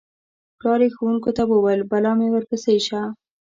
پلار یې ښوونکو ته وویل: بلا مې ورپسې شه.